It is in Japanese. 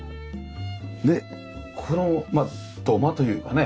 この土間というかね。